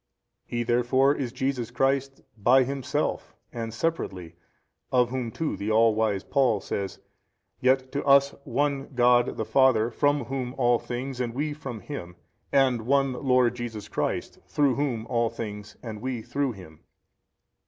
A. He therefore is Jesus Christ by himself and separately, of Whom too the all wise Paul says, Yet to us One God |282 the Father from Whom all things and we from Him and One Lord Jesus Christ through Whom all things and we through Him.